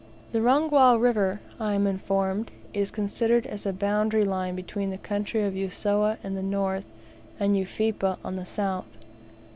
The Rungwa River, I am informed, is considered as a boundary line between the country of Usowa on the north, and Ufipa on the south.